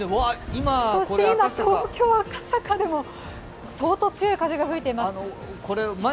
そして今東京・赤坂でも相当強い風が吹いています。